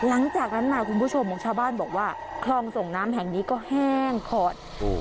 หลังจากนั้นมาคุณผู้ชมชาวบ้านบอกว่าคลองส่งน้ำแห่งนี้ก็แห้งขอด